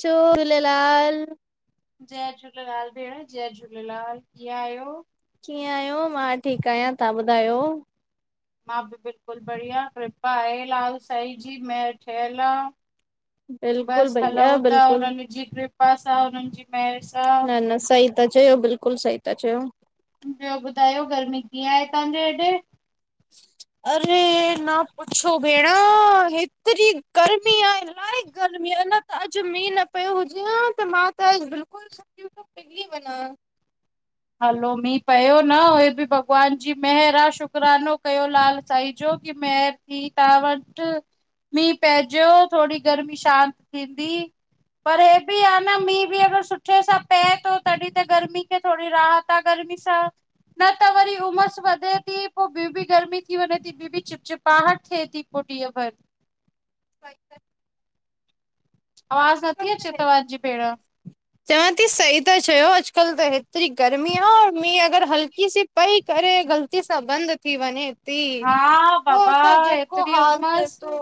चओ झूलेलाल। जय झूलेलाल, भेण जय झूलेलाल कीअं आहियो? कीअं आहियो, मां ठीकु आहियां तव्हां ॿुधायो? मां बि बिल्कुलु बढ़िया कृपा आहे लाल साईं जी महर थियल आ बिल्कुलु बस भईया हलूं था बिल्कुलु, हुननि जे किरपा सां, हुननि जी महर सां। न न सही ता चयो, बिल्कुलु सही ता चयो। ॿियो ॿुधायो गर्मी कीअं आहे तव्हांजे हेॾे? अरे न पुछो भेण, हेतिरी गर्मी आहे ईलाही गर्मी आहे, अॼु मींहुं न पियो हुजे ह त मां त बिल्कुलु त पली बना [unintelligible] हलो मींहुं पियो न उहे बि भॻवान जी महिर आहे शुकरानो कयो लाल साईं जो की महिर थी तव्हां वटि मींहं पइजो थोरी गर्मी शांत थींदी पर हे बि आहे न मींहं बि अगरि सुठे सां पए थो तॾहिं त गर्मी खे थोरो राहत आ गर्मी सां न त वरी उमस वधि थी पोइ ॿ बि गर्मी थी वञेथी बि बी चुप चिपाहट थिए थी पो डीह भर आवाज़ नथी अचे तव्हाजी भेण चवां थी सही ता चयो अॼुकल्ह त हेतरी गर्मी आ औ मीं अगर हल्की सी पई करे ग़लती सां बंद थी वञे। थी हा पोइ बाबा त जेको एतिरी हाल थिए उमस थो।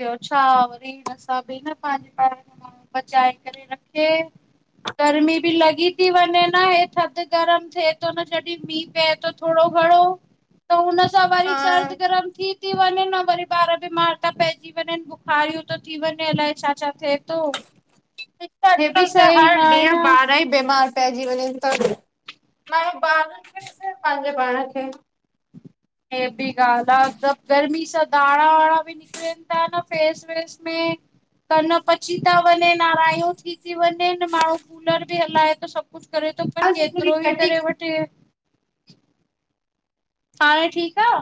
ॿियो छा वरी हिन सभ पंहिंजे प पचाए करे रखे। गर्मी बि लॻी थी वञे न हे थधि गरम थिए थो न जॾहिं मींह पए थो। थोरो घणो। त हुन सां हा वरी सर्द गरम थी, थी वञे न वरी ॿार बि मार ता पइन। थी वञन बुखारियूं थो थी वञे। अलाए छा, छा थिए थो। हे अॼुकल्ह बि त सही न हर आहे न ॾींहं ॿार ई बीमार पइजी वञन। मांण्हू ॿारनि खे ॾिसे पंहिंजे पाण खे। हे बि ॻाल्ह आ हिकबु गर्मी सां धाणा वाणा बि निकिरन था न। फेस वॉश में त न पची ता वञन आारायूं थी थी वञन माण्हू कूलर बि हलाए थो सघ कुझ करे थो पर आवाज़ थोड़ी केतिरो ई कटी करे वठे - - हाणे ठीकु आ?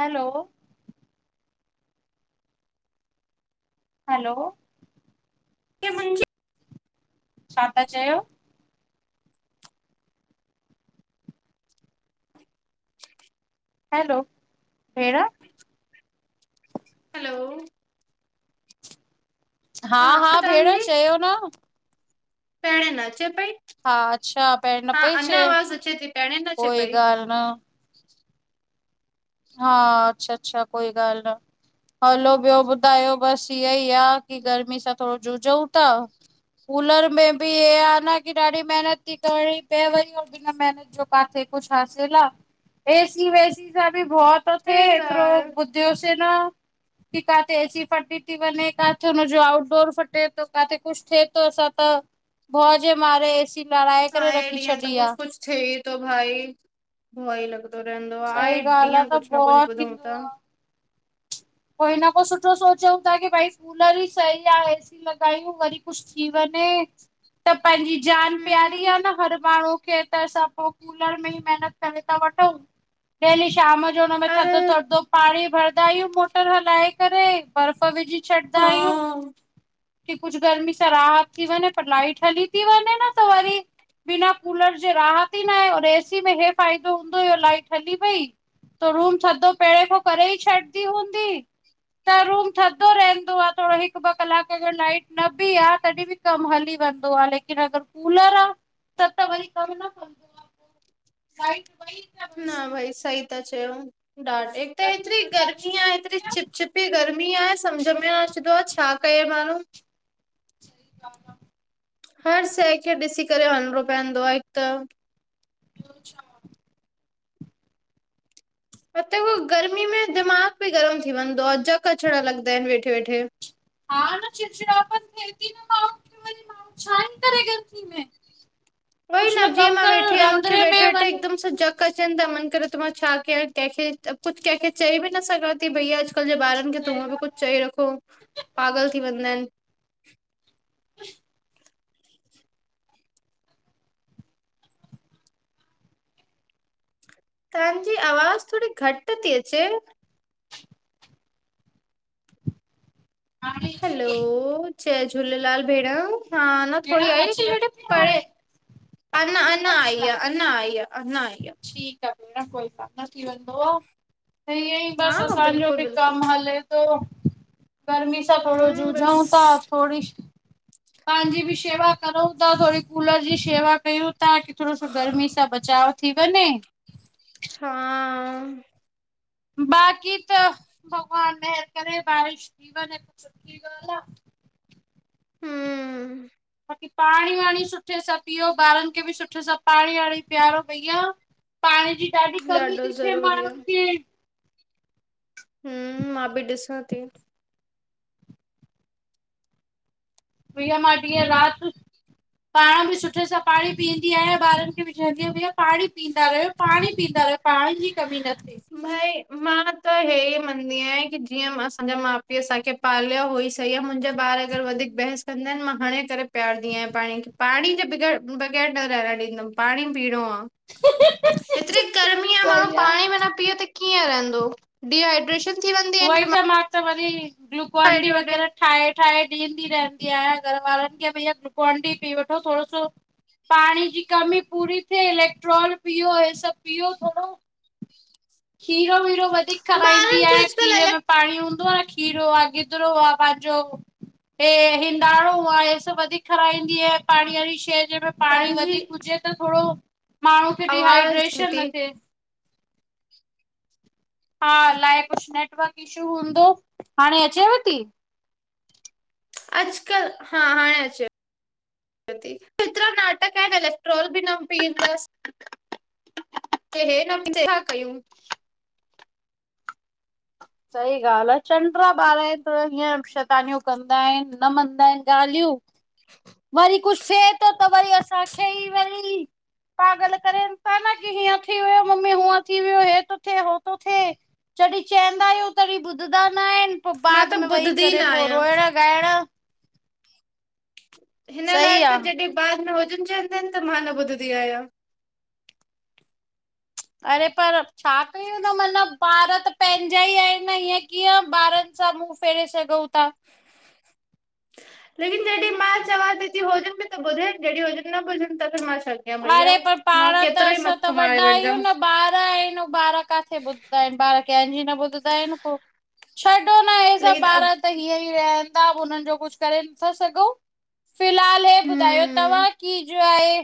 हलो - - हलो - - ही मुंहिंजी छा था चयो? हलो भेण हलो हा हा भेण चयो न। पहिणे न अचे पई हा अच्छा पहिर न हा पई अञा आवाज़ अचे थी पहिेंणे न अचे पई। सुनो हा अच्छा अच्छा कोई ॻाल्ह न। हलो ॿियो ॿुधायो बसि इहा ई आह की गर्मी सां थोरो जुझऊं था। कूलर में बि हे आहे न की ॾाढी मेहनत थी करणी पए वई बिन मेनत छु काथे कुझ हासिल आह एसी वेसी सां ॿि भव तो थिए हे त एतिरो आहे बुध तिवसेना - - की काथे एसी फटी थी बञे किथे हुनजो आउट डोर फटे थो किथे कुझ थिए थो असां त भव जे मारे एसी लराए करे रखी छॾी आ। छे ई थो भाई भउ ई लॻंदो रहंदो आ सही आहे ॻाल्हि आ ॾींहं त कुझ न कुझ भउ ॿुधऊ था। पोइ हिन खां सुठो सोचूं था की भई कूलर ई सही आहे ए सी लॻायूं वरी कुछ कुझु थी वञे त पंहिंजी जान प्यारी हम्म आह न हर माण्हू खें त असां पो कूलर में ही मेहनत करें ता वठऊं डेली शाम जो जो हुनमें अरे थधो थधो पाणी भरदा आहियूं मोटर हलाए करे बर्फ विझी छॾंदा आहियूं। हा की कुझ गर्मी सां राहत थी वञे पर लाइट हली थी वञे न त वरी। बिना कूलर जे राहत ई न आहे होडे एसी में हे फ़ाइदो हूंदो हुयो लाइट हली वई - - त रूम थधो पहिरड़ें पो करे ई छॾंदी हूंदी त रूम थधो रहंदो आहे थोरो हिकु ॿ कलाक जो लाइट न बि आहे तॾहिं बि कम हली वेंदो आहे लेकिन अगर कूलर आहे त त वरी कम न कंदो आ। लाइट वई त न बसि भई सही ता चयो डाट त हिते गर्मी हेतिरी बर्दाश्त गर्मी न आहे हेतरी थींदी छीत छिपी गर्मी आहे सम्झ में न अचंदो आहे छा कए माण्हू - - सही गाल्ह आ - - हर शइ खे ॾिसी करे हलणो पवंदो आहे हिकु त ॿियो छा मतलब उह गर्मी में दिमाग़ बि गरम थी वेंदो आहे जझक अचणु लॻंदा आहिन वेठे वेठे। हा न चिड़चिड़ापन थे ती न माण्हुन खें वरी माण्हु छा ही करे गरमी में उहोई कुझु न कम करण रंधिणे में वञ जझक अचनि था मन करे त मां छा कयां कंहिंखे कुझु कंहिंखे चई बि न सघां थी भई अॼ अॼुकल्ह जे ॿारनि खे त सही ॻाल्हि हूअं बि कुझु चई आहे रखो पागल थी वेंदा आहिनि तव्हांजी आवाज़ थोरी घटि थी अचे हाणे अचे थी हलो जय झूलेलाल भेण हा न भेण थोरी आई अचेव लेकिन ॾ थी पे हाणे [unintelligible] अञन अञ आई अच्छा अञ आई अञन आई। ठीकु आ भेण कोई क न थी वेंदो। ईअ ई हा बस हा असांजो बिल्कुलु बि बिल्कुलु कम हले थो गर्मी थोरो जूझ हम्म बस उजऊ था थोरी पंहिंजी बि शेवा कयूं था थोरी कूलर जी शेवा कयूं था की थोरो सो गर्मी सां बचाव थि व ने। हा बाक़ी त भॻवान महिर करे बारिश जीवन हिक सुठी ॻाल्हि आ हम्म बाक़ी पाणी वाणी सुठे सां पीओ ॿारनि खे बि सुठे सां पाणी वाणी पीआरो भईया पाण जी ॾाढी कमी ॾाढो थी ज़रूरी आ माण्हुनि खे हिम्म मां बि ॾिसां थी। प्रया मांी रात। पाण बि सुठे सां पाणी पीअंदी आहियां ॿारनि खे बि चवंदी आहिय भईया पाणी पीअंदा रहियो पाणी पीअंदा रहियो। पाण जी कमी न थिए। भई मां त हेहे ई मंदी आहियां की जीअं असांजा माउ पीउ असांखे पालिया हुई सही आहे मुंहिंजा बार अगर वधीक बहस चंदनि मां हणे करे पीआारंदी आहियां पाणी खे पाणी जे बगैर बग़ैर न रहणु ॾींदमि पाणी पीअणो आ। एतिरी गर्मी आ माण्हू पाणी में न पी त कीअं रहंदो। डीहाइड्रेशन थी वेंदी उहोई त मां त वरी ग्लूकॉन डी हेॾे होॾे वगैर। ठाहे ठाहे ॾींदी रहंदी आहियां घर वारनि खे भई इीअ ग्ललुकोन बि पी वठो थोरो सो। पाणी जी कमी पूरी थिए इलेक्ट्रोल पीओ ह सब पीओ थोड़ो। खीरो वीरो वधीक खाराईंदी ॿारनि खे आयां अॼुकल्ह खीरे में इलेक्ट पाणी खीरो आ गिदरो आ पंहिंजो। हे हिंदाणो आहे हे सब वधीक खाराई ईंदी आहे पाणीअ वारी शइ जंहिंमें पाणी तव्हांजी वधीक हुजे त थोड़ो माण्हू खे आवाज़ डिहाइड्रेशन थी न थिए हा अलाए कुछ नेटवर्क इशू हूंदो हाणे अचेव थी? अॼुकल्ह हा हाणे अचे। हेतिरा नाटक आहिन इेक्ट्रोल बि न पींदासि। हे न छा कयूं। सही ॻाल्हि आ चंडा ॿार त हीअं शतानियूं कंदा आहिनि न मञदा आहिनि ॻाल्हियूं। वरी कुछ थिए थो त वरी असांखे ई वरी। पागल करे था न की हीअं थी वियो मम्मी हूअं थी वियो हे थो थिए हो थो थिए। जॾहिं चवंदा आहियूं तॾहिं ॿुधंदा न आहिन पो मां बाद त में वेही ॿुधंदी करे न पो आहियां रोइण ॻाइण। हिन लाइ सही आ। त जॾहिं ॿार न हुजणु चाहंदा आहिन त मां न ॿुधंदी आहियां। अरे पर छा पई वदो माना ॿार त पंहिंजा ई आहिन न हअं कीअं ॿारत। मूं फेरेस संगव था। लेकिन जॾहिं मां चवां थी थी होजन बि त ॿुध जॾहिं होजन नॿुनि त मां छा भईया अरे पर मां पाण त केतिरो ई असां त मथो वॾा मारे आहियूं वठदमि। न ॿार आहिनि ॿारह काथे ॿुधंदा आहिन ॿार कंहिंजी न ॿुधंदा आहिन पो। छॾो न ह सब लेकिन अब ॿार त हीअं ई रहनिंदा उननि जो कुछ करे नथा सघूं। फ़िलहाल इ ॿुधायो हम्म तव्हां की जो आए।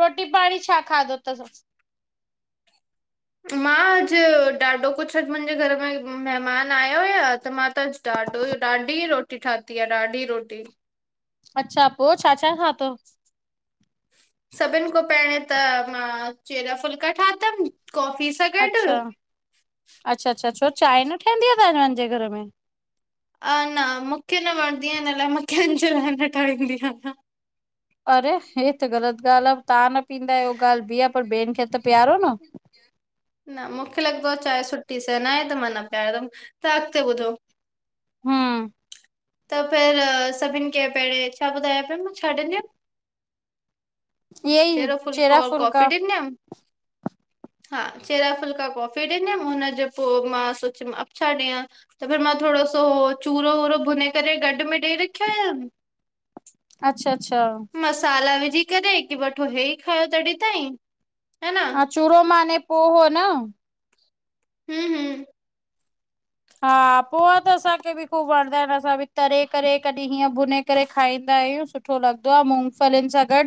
रोटी पाणी छा खाधो थस। मां अॼु ॾाढो कुछ अॼु मुंहिंजे घर में महिमान आया हुया त मां त अॼु। ॾाढो, ॾाढी रोटी ठती आ, ॾाढी रोटी। अच्छा, पो छा छा ठातो? सभिन खां पहिरें त मां, चैरा फुल्का ठातम कॉफी सां गॾु अच्छा, अच्छा अच्छा, छो चांय न ठैदी आ, तहां हिनन ॼे घर में? अ न, मुखे न वणंदी आ, इन लाइ मां कैंजे लाइ न ठाईंदी आयां। अरे! हे त ग़लत ॻाल्ह आ, तहां न पींदायो हू ॻाल्ह ॿी आ, पर ॿेन खे त पीआरो न। [inaudible] न मुखे लॻदो आ, चाय सुठी सै नाहे, त मां न पियारदम, त अॻते ॿुधो हां त पहिरां, सभिन खे पहिरें छा ॿुधायो पे मां छाॾींदीआं? इयेई, चेरो फुल्को चेरा और फुल्का। कॉफ़ी ॾिनमि हा, चेरा फुल्का कॉफी ॾिन्यम, हुनजे पो मां सोच्युम अब छा ॾयां? त फिर मां थोड़ो सो, चूरो वूरो भुने करे गॾु में ॾई रख्यम। अच्छा अछा मसाला विझी करे, की वठो हे ई खायो तॾी ताईं, है न। हा चूरो मानें, पोहो न? हूं हूं हा, पोहा त असांखे बि खूब वणदा एन, असां बि तरे करे कॾी हीअं भुने करे, खाईंदायूं। सुठो लॻदो आ मूंगफलिन सां गॾ,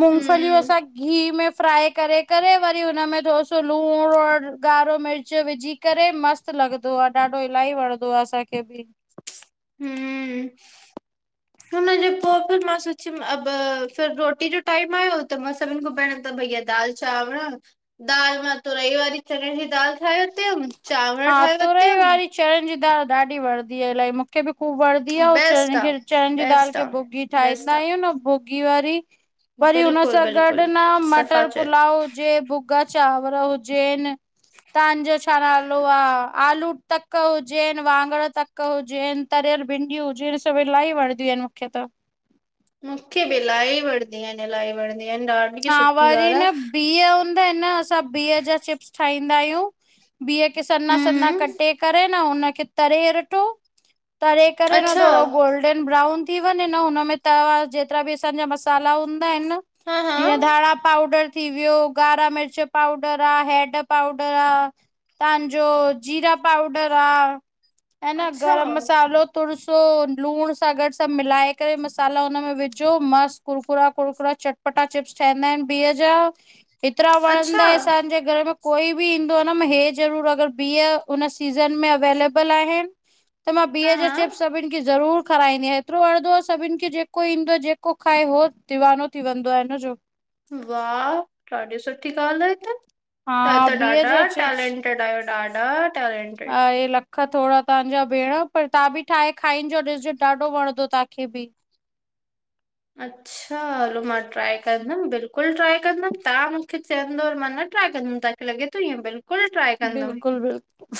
मूंगफल्यूं हम असां घी में फ्राई करे करे, वरी हुन में थोरो सो लूण और ॻारो मिर्च विझी करे मस्त लॻदो आ, ॾाढो इलाही वणदो आ असांखे बि। हूं [inaudible] हुनजे पो, फिर मां सोच्युम, अब फिर रोटी जो टाइम आयो, त मां सभिन खां पहिरूं त भइया दाल चांवर, दाल मां तुरई वारी चणे जी दाल, ठाए वतीयम। चांवर ठाए वत्यम। चणन जी दाल ॾाढी वणदी आए, इल्हाई मूंखे मुखे बि ख़ूॿ वणदी आ, अंउं बेस्ट चणन आ खे चणन जी दाल बेस्ट खे आ भुॻी बेस्ट आ ठाईंदायूं न भुॻी वारी। वरी बिल्कुलु हुनसां बिल्कुलु ॻॾ न, मटर सफ़ाचर पुलाव हुजे, भुॻ भुॻा चांवर हुजेन, तांजो छा नाल हा, आलू तक हुजेन, वांङण तक हुजेन, तरयल भिंड्यूं हुजेन, सभ इलाही वण दी एन, मुखे त। मुखे बि, इलाही वणदी एन, इलाही वणदी एन, ॾाढ हा, वरी न बिह हूंदा इन न, असां बिह जा चिप्स ठाईंदायूं। बीह खे सन्ना हम्म सन्ना हम्म, कटे करे न, उनखे तरे रिठो। तरे करे न अच्छा थोड़ो गोल्ड डन ब्राउन थी वंञें न, हुन में तवे वारा जेतरा बि असांजा मसाला हूंदा इन हां हां जींअं धाणा पाउडर थी व्यो ॻारा मिर्च पाउडर आ, हैड पाउडर आ। तांजो जीरा पाउडर आ, है न अच्छा गरम मसालो तुर सो लूंण सां गॾ, सभ मिलाए करे, मसाला हुनमें विझो मस्त कुरकुरा कुरकुरा चटपटा चिप्स ठहेन्दा इन बिह जा, एतरा अच्छा वणंदाए असांजे घर में कोई बि ईंदो आ न, मां हे ज़रूर अगर बिह उन सीज़न में अवेलेबल आहिन त मां हा बिह जो हा चिप्स, सभिन खे ज़रूर खराईंदी आयां, एतरो वणदो आ सभिन खे, जेको ईंदो आ, जेको खाए हो दीवानो थी वेंदो आ, हिनजो। वाह! ॾाढी सुठी ॻाल्हि आ हे त, तहां हा त बीह ॾाढा जा टेलेंट यो [unintelligible] हा ए ला ख थोड़ा तव्हांजा भेंण, पर तव्हां ॿि ठाहे खाईंॼो ॾिसॼो ॾाढो वणदो तांखे ॿि अच्छा! हलो मां ट्राए कंदमि ॿिल्कुलु ट्राए कंदमि, तहां मुखे चैंदव और मां न ट्राए कंदमि तव खे लॻे तो इंय ॿिल्क् बिल्कुल- बिल्कुल,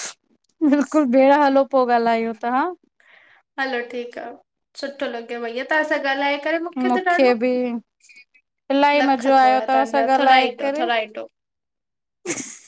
बिल्कुल भेंण हलो पो ॻाल्हायुं ता हा हलो ठीक आ सुठो लग्यो भैया ताहां सां ॻाल्हाए करे मुखे त मूंखे ॾाढो। बि इलाही लख मज़ो आयो थोड़ा तव्हां सां तव्हांजा, ॻाल्हाए थोराइटो- करे थोराइटो [unintelligible]